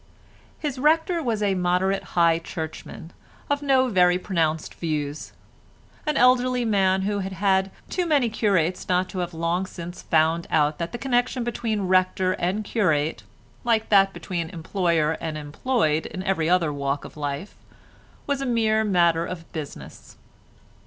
His rector was a moderate High Churchman of no very pronounced views—an elderly man who had had too many curates not to have long since found out that the connection between rector and curate, like that between employer and employed in every other walk of life, was a mere matter of business.